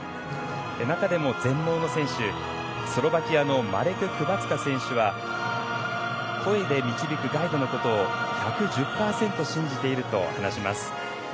中でも全盲の選手、スロバキアのマレク・クバツカ選手は声で導くガイドのことを「１１０％信じている」と話します。